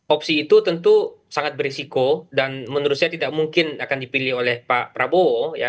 opsi itu tentu sangat berisiko dan menurut saya tidak mungkin akan dipilih oleh pak prabowo